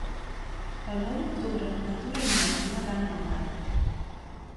El nou d'octubre na Tura i na Martina van a Maldà.